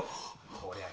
こりゃあ